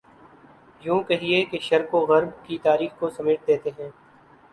یوں کہیے کہ شرق و غرب کی تاریخ کو سمیٹ دیتے ہیں۔